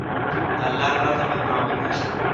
د الله پرته بل معبود نشته.